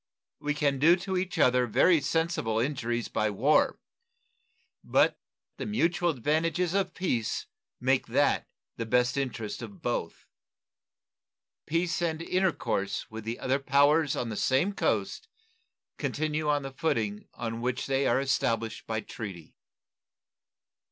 We can do to each other very sensible injuries by war, but the mutual advantages of peace make that the best interest of both. Peace and intercourse with the other powers on the same coast continue on the footing on which they are established by treaty.